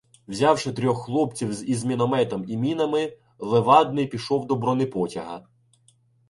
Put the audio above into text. Взявши трьох хлопців із мінометом і мінами, Левадний пішов до бронепотяга.